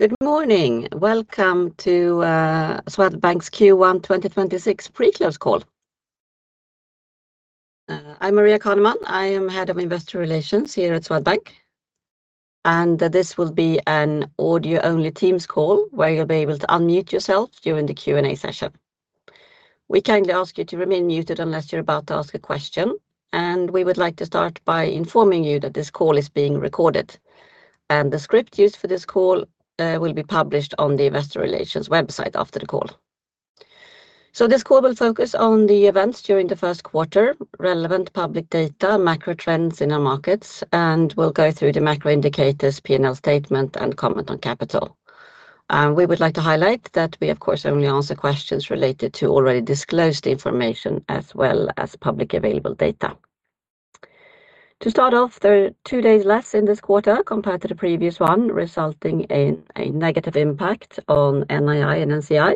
Good morning. Welcome to Swedbank's Q1 2026 pre-close call. I'm Maria Caneman. I am head of investor relations here at Swedbank, and this will be an audio-only Teams call where you'll be able to unmute yourself during the Q&A session. We kindly ask you to remain muted unless you're about to ask a question, and we would like to start by informing you that this call is being recorded, and the script used for this call will be published on the investor relations website after the call. This call will focus on the events during the first quarter, relevant public data, macro trends in our markets, and we'll go through the macro indicators, P&L statement, and comment on capital. We would like to highlight that we, of course, only answer questions related to already disclosed information as well as public available data. To start off, there are two days less in this quarter compared to the previous one, resulting in a negative impact on NII and NCI.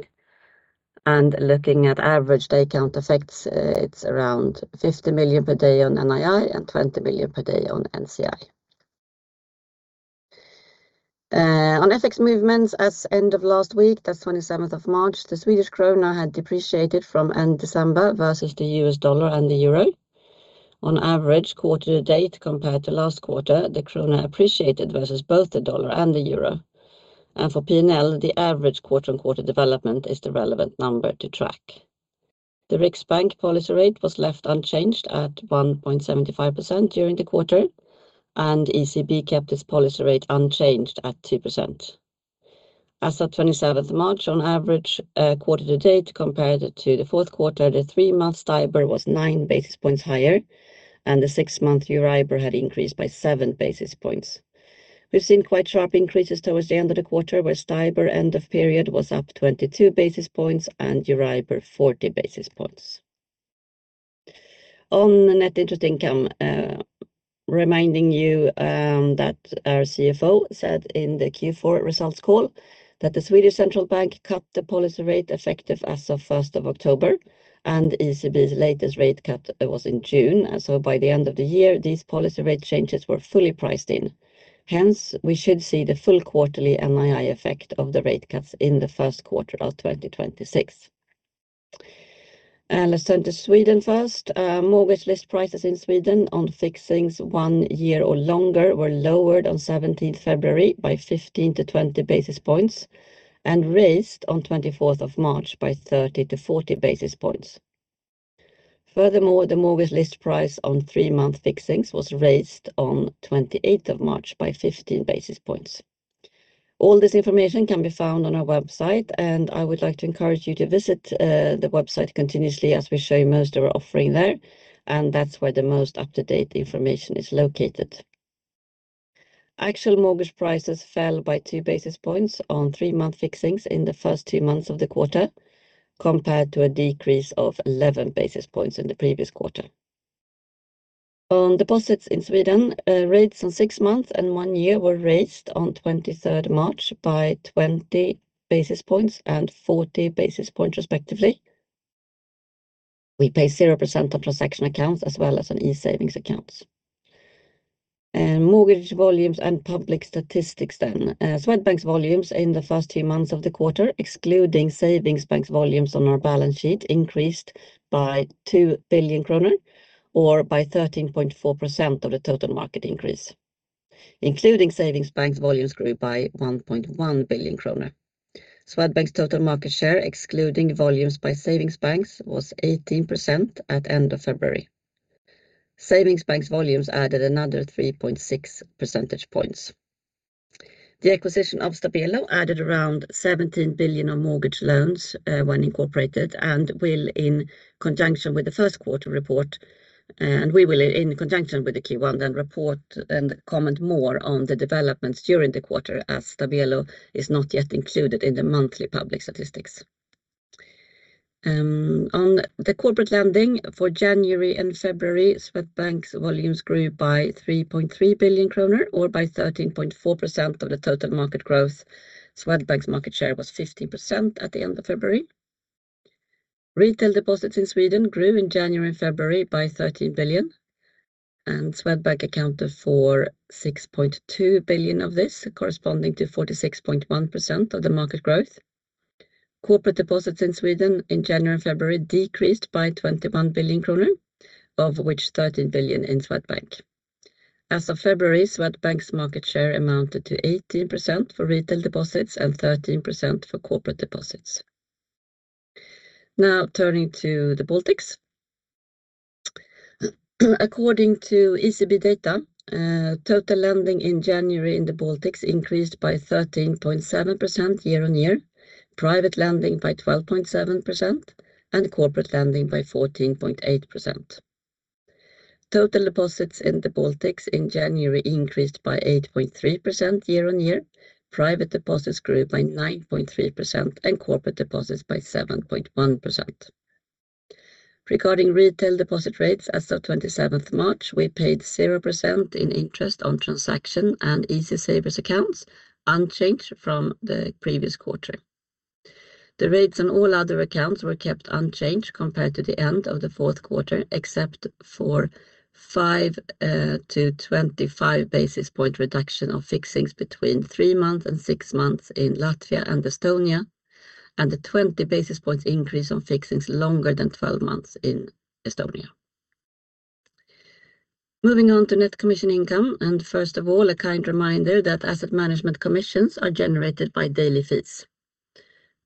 Looking at average day count effects, it's around 50 million per day on NII and 20 million per day on NCI. On FX movements as of end of last week, that's March 27th, the Swedish krona had depreciated from end December versus the U.S. dollar and the euro. On average quarter to date compared to last quarter, the krona appreciated versus both the dollar and the euro, and for P&L, the average quarter-on-quarter development is the relevant number to track. The Riksbank policy rate was left unchanged at 1.75% during the quarter, and ECB kept its policy rate unchanged at 2%. As of March 27th, on average, quarter to date compared to the fourth quarter, the three-month Stibor was 9 basis points higher, and the six-month Euribor had increased by 7 basis points. We've seen quite sharp increases towards the end of the quarter, where Stibor end of period was up 22 basis points and Euribor 40 basis points. On net interest income, reminding you that our CFO said in the Q4 results call that the Riksbank cut the policy rate effective as of October 1st, and ECB's latest rate cut was in June. By the end of the year, these policy rate changes were fully priced in. Hence, we should see the full quarterly NII effect of the rate cuts in the first quarter of 2026. Let's turn to Sweden first. Mortgage list prices in Sweden on fixings one year or longer were lowered on February 17th by 15-20 basis points and raised on March 24th by 30-40 basis points. Furthermore, the mortgage list price on three-month fixings was raised on March 28th by 15 basis points. All this information can be found on our website, and I would like to encourage you to visit the website continuously as we show you most of our offering there, and that's where the most up-to-date information is located. Actual mortgage prices fell by 2 basis points on three-month fixings in the first two months of the quarter compared to a decrease of 11 basis points in the previous quarter. On deposits in Sweden, rates on six months and one year were raised on March 23rd by 20 basis points and 40 basis points respectively. We pay 0% on transaction accounts as well as on e-savings accounts. Mortgage volumes and public statistics then. Swedbank's volumes in the first two months of the quarter, excluding savings banks volumes on our balance sheet, increased by 2 billion kronor or by 13.4% of the total market increase. Including savings banks, volumes grew by 1.1 billion kronor. Swedbank's total market share, excluding volumes by savings banks, was 18% at end of February. Savings banks volumes added another 3.6 percentage points. The acquisition of Stabelo added around 17 billion of mortgage loans when incorporated and, in conjunction with the first quarter report, we will report and comment more on the developments during the quarter as Stabelo is not yet included in the monthly public statistics. On the corporate lending for January and February, Swedbank's volumes grew by 3.3 billion kronor or by 13.4% of the total market growth. Swedbank's market share was 15% at the end of February. Retail deposits in Sweden grew in January and February by 13 billion, and Swedbank accounted for 6.2 billion of this, corresponding to 46.1% of the market growth. Corporate deposits in Sweden in January and February decreased by 21 billion kronor, of which 13 billion in Swedbank. As of February, Swedbank's market share amounted to 18% for retail deposits and 13% for corporate deposits. Now turning to the Baltics. According to ECB data, total lending in January in the Baltics increased by 13.7% year-on-year, private lending by 12.7%, and corporate lending by 14.8%. Total deposits in the Baltics in January increased by 8.3% year-on-year. Private deposits grew by 9.3% and corporate deposits by 7.1%. Regarding retail deposit rates as of March 27th, we paid 0% in interest on transaction and Easy Saver accounts, unchanged from the previous quarter. The rates on all other accounts were kept unchanged compared to the end of the fourth quarter, except for 5-25 basis point reduction of fixed between three months and six months in Latvia and Estonia, and a 20 basis points increase on fixed longer than 12 months in Estonia. Moving on to net commission income, first of all, a kind reminder that asset management commissions are generated by daily fees.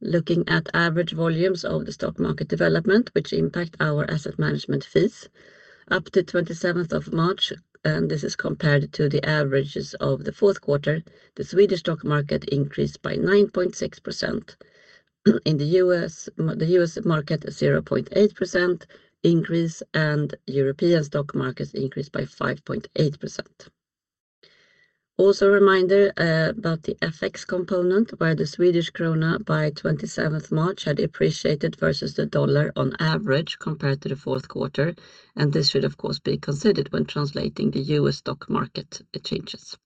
Looking at average volumes of the stock market development which impact our asset management fees, up to March 27th, and this is compared to the averages of the fourth quarter, the Swedish stock market increased by 9.6%. In the U.S. market, 0.8% increase, and European stock markets increased by 5.8%. Also a reminder about the FX component, where the Swedish krona by March 27th had appreciated versus the U.S. dollar on average compared to the fourth quarter, and this should of course be considered when translating the U.S. stock market changes.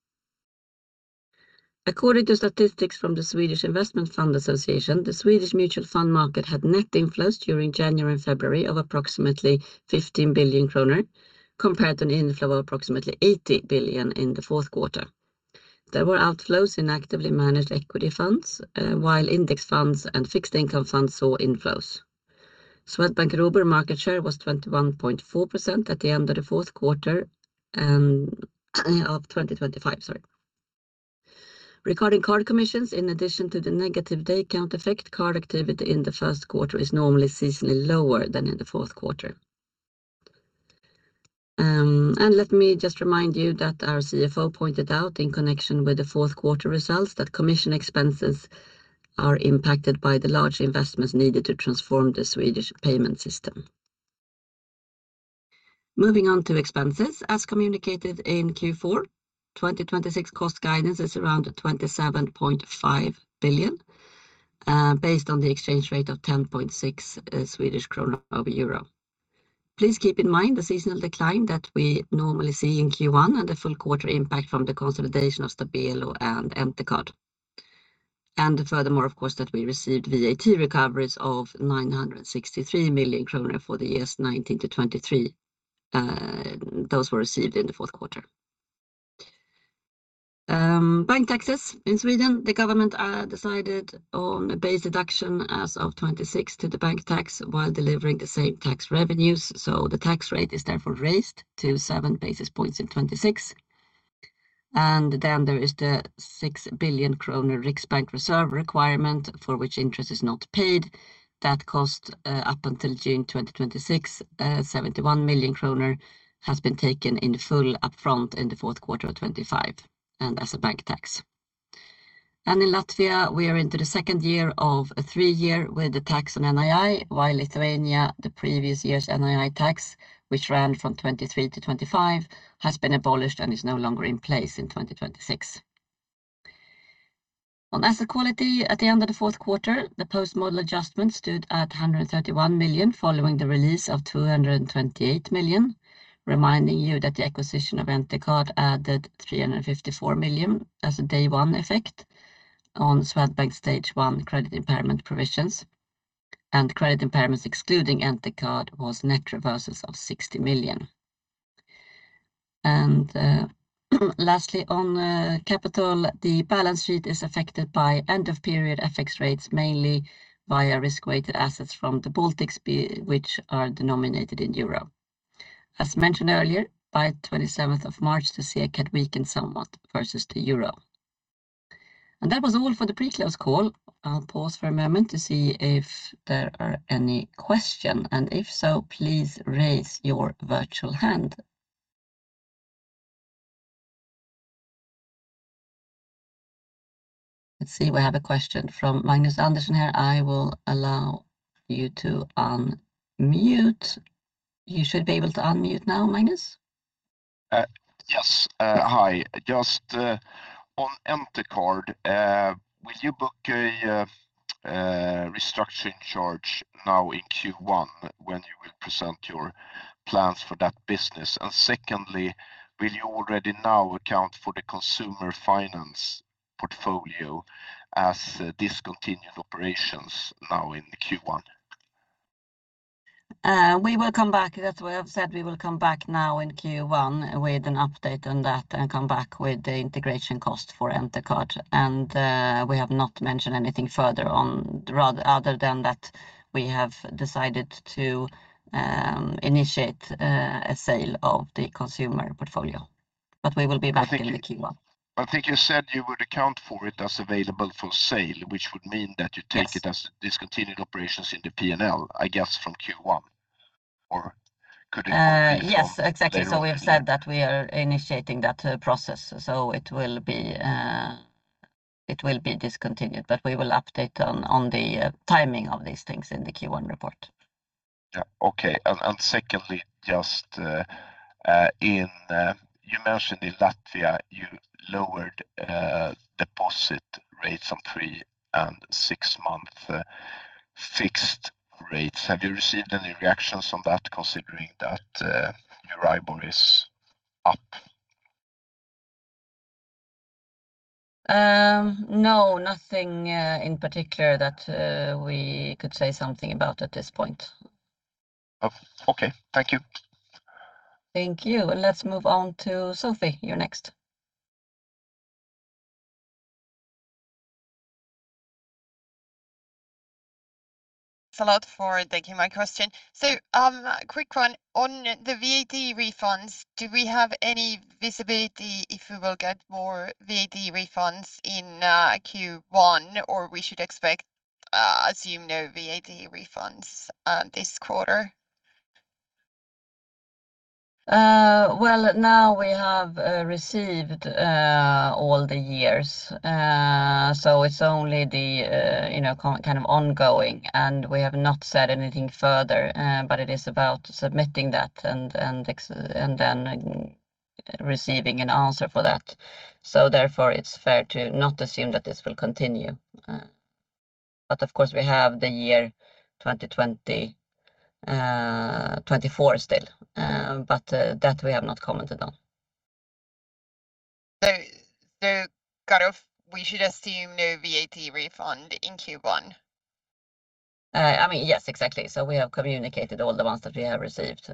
According to statistics from the Swedish Investment Fund Association, the Swedish mutual fund market had net inflows during January and February of approximately 15 billion kronor, compared to an inflow of approximately 80 billion in the fourth quarter. There were outflows in actively managed equity funds, while index funds and fixed income funds saw inflows. Swedbank Robur market share was 21.4% at the end of the fourth quarter of 2025, sorry. Regarding card commissions, in addition to the negative day count effect, card activity in the first quarter is normally seasonally lower than in the fourth quarter. Let me just remind you that our CFO pointed out in connection with the fourth quarter results that commission expenses are impacted by the large investments needed to transform the Swedish payment system. Moving on to expenses. As communicated in Q4, 2026 cost guidance is around 27.5 billion, based on the exchange rate of 10.6 Swedish krona over euro. Please keep in mind the seasonal decline that we normally see in Q1 and the full quarter impact from the consolidation of Stabelo and Entercard. Furthermore, of course, that we received VAT recoveries of 963 million kronor for the years 2019 to 2023. Those were received in the fourth quarter. Bank taxes in Sweden, the government decided on a base deduction as of 2026 to the bank tax while delivering the same tax revenues, so the tax rate is therefore raised to 7 basis points in 2026. Then there is the 6 billion kronor Riksbank reserve requirement for which interest is not paid. That cost up until June 2026, 71 million kronor has been taken in full upfront in the fourth quarter of 2025 and as a bank tax. In Latvia, we are into the second year of a three-year with the tax on NII, while Lithuania, the previous year's NII tax, which ran from 2023 to 2025, has been abolished and is no longer in place in 2026. On asset quality at the end of the fourth quarter, the post-model adjustment stood at 131 million following the release of 228 million, reminding you that the acquisition of Entercard added 354 million as a day one effect on Swedbank Stage 1 credit impairment provisions. Credit impairments excluding Entercard was net reversals of 60 million. Lastly, on capital, the balance sheet is affected by end-of-period FX rates, mainly via risk-weighted assets from the Baltics which are denominated in euro. As mentioned earlier, by March 27th, the SEK had weakened somewhat versus the euro. That was all for the pre-close call. I'll pause for a moment to see if there are any question, and if so, please raise your virtual hand. Let's see, we have a question from Magnus Andersson here. I will allow you to unmute. You should be able to unmute now, Magnus. Yes. Hi. Just on Entercard, will you book a restructuring charge now in Q1 when you will present your plans for that business? Secondly, will you already now account for the consumer finance portfolio as discontinued operations now in Q1? We will come back. That's why I've said we will come back now in Q1 with an update on that and come back with the integration cost for Entercard. We have not mentioned anything further other than that we have decided to initiate a sale of the consumer portfolio. We will be back in Q1. I think you said you would account for it as available for sale, which would mean that you take it. As discontinued operations in the P&L, I guess, from Q1. Could it be for later on in the year? Yes, exactly. We've said that we are initiating that process, so it will be discontinued, but we will update on the timing of these things in the Q1 report. Yeah. Okay. Secondly, just in... You mentioned in Latvia you lowered deposit rates on three- and six-month fixed rates. Have you received any reactions on that, considering that your Euribor is up? No, nothing in particular that we could say something about at this point. Okay. Thank you. Thank you. Let's move on to Sofie. You're next. Thanks a lot for taking my question. Quick one. On the VAT refunds, do we have any visibility if we will get more VAT refunds in Q1, or we should expect assume no VAT refunds this quarter? Well, now we have received all the years, so it's only the, you know, kind of ongoing, and we have not said anything further. It is about submitting that and then receiving an answer for that. Therefore, it's fair to not assume that this will continue. Of course we have the year 2020, 2024 still, but that we have not commented on. Kind of, we should assume no VAT refund in Q1? I mean, yes, exactly. We have communicated all the ones that we have received.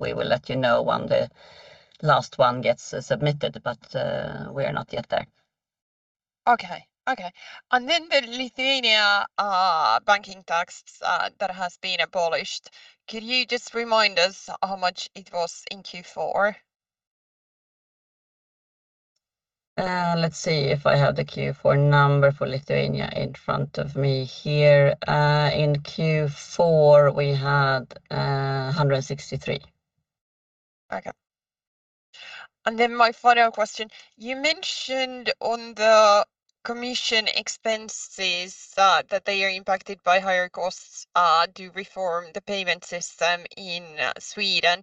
We will let you know when the last one gets submitted, but we are not yet there. The Lithuania banking tax that has been abolished, could you just remind us how much it was in Q4? Let's see if I have the Q4 number for Lithuania in front of me here. In Q4 we had 163. Okay. My final question. You mentioned on the commission expenses that they are impacted by higher costs to reform the payment system in Sweden.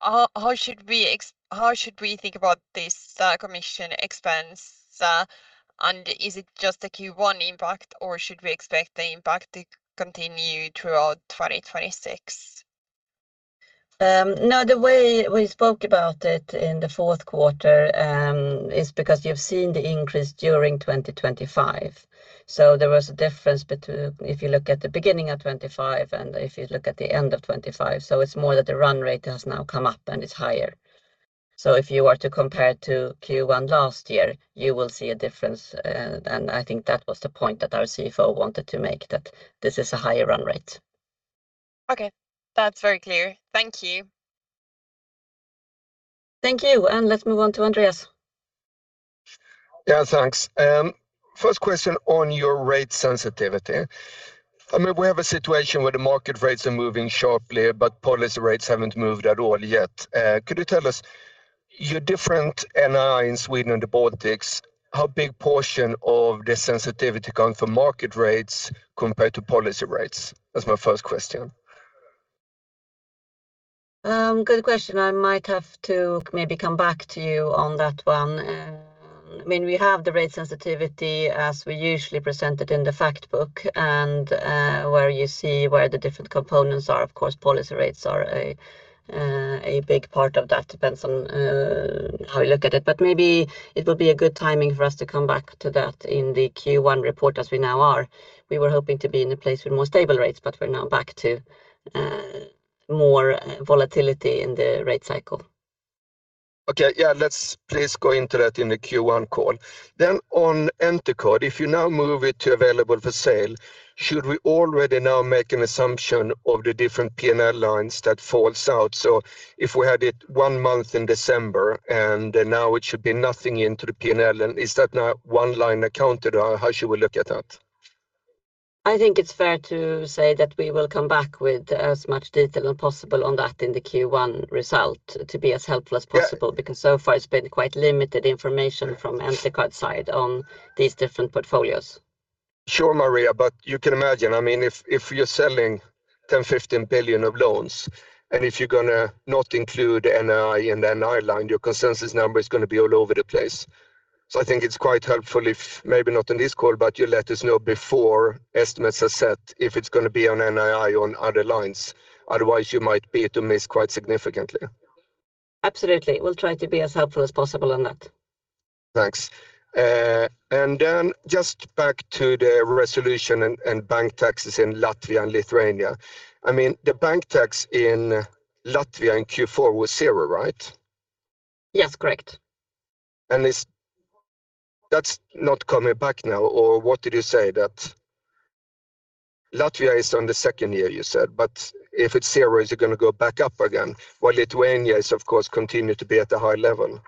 How should we think about this commission expense? And is it just a Q1 impact, or should we expect the impact to continue throughout 2026? No, the way we spoke about it in the fourth quarter is because you've seen the increase during 2025. There was a difference between if you look at the beginning of 2025 and if you look at the end of 2025, so it's more that the run rate has now come up and is higher. If you are to compare to Q1 last year, you will see a difference. I think that was the point that our CFO wanted to make, that this is a higher run rate. Okay. That's very clear. Thank you. Thank you. Let's move on to Andreas. Yeah, thanks. First question on your rate sensitivity. I mean, we have a situation where the market rates are moving sharply, but policy rates haven't moved at all yet. Could you tell us your different NII in Sweden and the Baltics, how big portion of the sensitivity come from market rates compared to policy rates? That's my first question. Good question. I might have to maybe come back to you on that one. I mean, we have the rate sensitivity as we usually present it in the fact book and, where you see the different components are. Of course, policy rates are a big part of that. Depends on how you look at it. Maybe it will be a good timing for us to come back to that in the Q1 report as we now are. We were hoping to be in a place with more stable rates, but we're now back to more volatility in the rate cycle. Okay. Yeah. Let's please go into that in the Q1 call. On Entercard, if you now move it to available for sale, should we already now make an assumption of the different P&L lines that falls out? If we had it one month in December, and now it should be nothing into the P&L, then is that now one line accounted or how should we look at that? I think it's fair to say that we will come back with as much detail as possible on that in the Q1 result to be as helpful as possible. Yeah because so far it's been quite limited information from Entercard side on these different portfolios. Sure, Maria, but you can imagine, I mean, if you're selling 10 billion-15 billion of loans, and if you're gonna not include NII in the NII line, your consensus number is gonna be all over the place. I think it's quite helpful if maybe not in this call, but you let us know before estimates are set if it's gonna be on NII on other lines. Otherwise you might be apt to miss quite significantly. Absolutely. We'll try to be as helpful as possible on that. Thanks. Just back to the resolution and bank taxes in Latvia and Lithuania. I mean, the bank tax in Latvia in Q4 was zero, right? Yes, correct. That's not coming back now, or what did you say that Latvia is on the second year, you said, but if it's zero, is it gonna go back up again, while Lithuania is of course continue to be at a high level?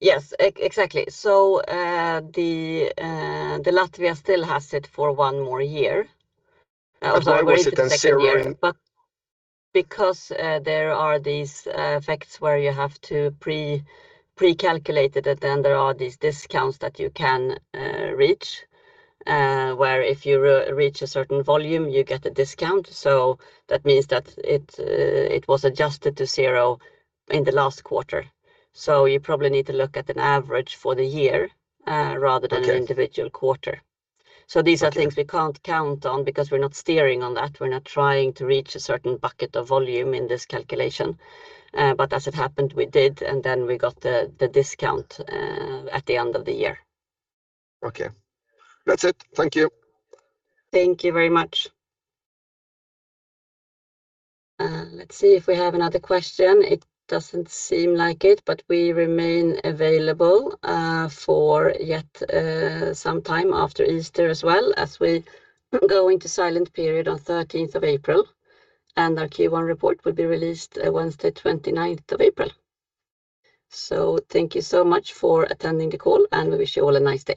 Yes, exactly. The Latvia still has it for one more year. Why was it then zero in- Because there are these effects where you have to precalculate it, and then there are these discounts that you can reach where if you reach a certain volume, you get a discount. That means that it was adjusted to zero in the last quarter. You probably need to look at an average for the year rather than- Okay an individual quarter. These are things. Okay We can't count on because we're not steering on that. We're not trying to reach a certain bucket of volume in this calculation. As it happened, we did, and then we got the discount at the end of the year. Okay. That's it. Thank you. Thank you very much. Let's see if we have another question. It doesn't seem like it, but we remain available, for yet, sometime after Easter as well as we go into silent period on April 13th, and our Q1 report will be released Wednesday, April 29th. Thank you so much for attending the call, and we wish you all a nice day.